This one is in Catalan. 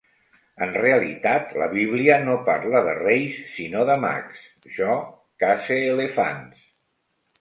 En realitat, la Bíblia no parla de reis sinó de mags. Jo cace elefants.